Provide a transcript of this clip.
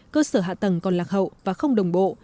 cơ sở hạ tầng còn lạc hậu và không đồng bộ